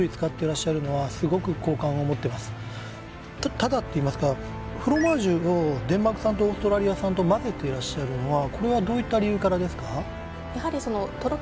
ただといいますかフロマージュをデンマーク産とオーストラリア産とまぜていらっしゃるのはこれはどういった理由からですか？